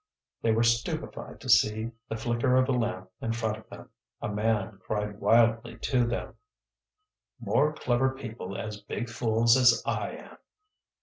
They were stupefied to see the flicker of a lamp in front of them. A man cried wildly to them: "More clever people as big fools as I am!"